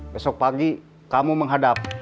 besok pagi kamu menghadap